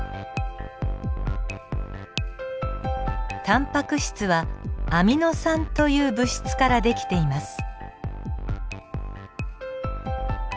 タンパク質はアミノ酸という物質からできています。